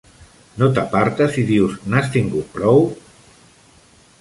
No t'apartes i dius "N'has tingut prou?"